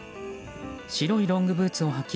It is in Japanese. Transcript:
白いロングブーツをはき